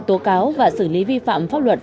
tố cáo và xử lý vi phạm pháp luật